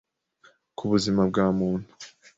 ku buzima bwa muntu